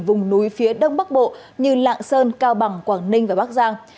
vùng núi phía đông bắc bộ như lạng sơn cao bằng quảng ninh và bắc giang